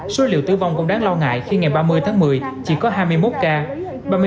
số liệu tử vong cũng đáng lo ngại khi ngày ba mươi tháng một mươi chỉ có hai mươi một ca